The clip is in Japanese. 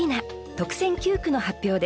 特選九句の発表です。